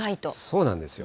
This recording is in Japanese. そうなんですよ。